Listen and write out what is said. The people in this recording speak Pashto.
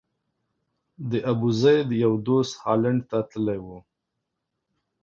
د ابوزید یو دوست هالند ته تللی و.